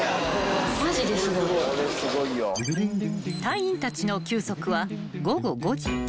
［隊員たちの休息は午後５時］